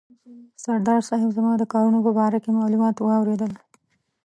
سردار صاحب زما د کارونو په باره کې معلومات واورېدل.